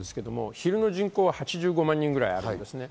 昼の人口は８５万人くらいあります。